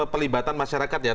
pelibatan masyarakat ya